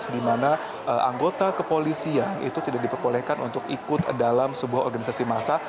di mana anggota kepolisian itu tidak diperbolehkan untuk ikut dalam sebuah organisasi massa